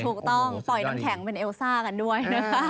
ถูกต้องปล่อยน้ำแข็งเป็นเอลซ่ากันด้วยนะคะ